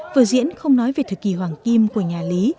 vừa diễn không nói về thời kỳ hoàng kim của nhà lý